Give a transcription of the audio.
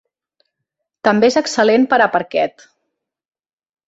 També és excel·lent per a parquet.